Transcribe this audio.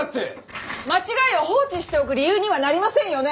間違いを放置しておく理由にはなりませんよね？